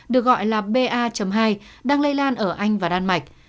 được gọi là ba hai đang lây lan ở anh và đan mạch